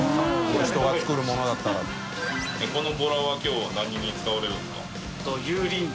このボラはきょうは何に使われるんですか？